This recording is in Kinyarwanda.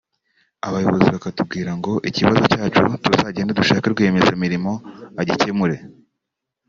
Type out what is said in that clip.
abayobozi bakatubwira ngo ikibazo cyacu tuzagende dushake rwiyemezamirimo agikemure